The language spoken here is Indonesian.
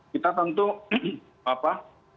kita tentu apa